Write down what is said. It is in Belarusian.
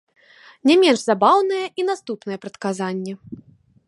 Не менш забаўнае і наступная прадказанне.